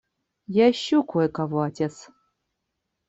Я ищу кое-кого, отец.